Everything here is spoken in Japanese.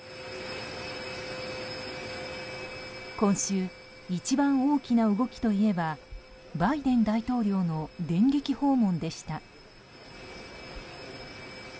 今週、一番大きな動きといえばバイデン大統領の電撃訪問でした。